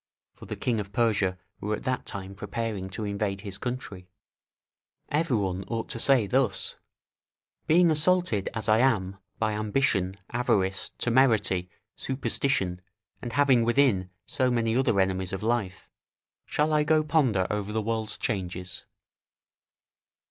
for the kings of Persia were at that time preparing to invade his country. Every one ought to say thus, "Being assaulted, as I am by ambition, avarice, temerity, superstition, and having within so many other enemies of life, shall I go ponder over the world's changes?"